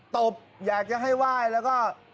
ตบอยากจะให้ไหว้แล้วก็